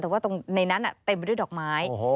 แต่ว่าตรงในนั้นเต็มไปด้วยดอกไม้